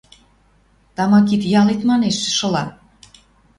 Тама кид-ялет, манеш, шыла...